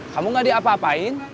kamu gak diapa apain